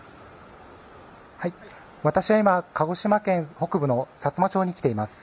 私は今、鹿児島県北部のさつま町に来ています。